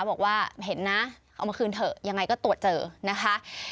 บอกว่าเห็นนะเอามาคืนเถอะยังไงก็ตรวจเจอนะคะ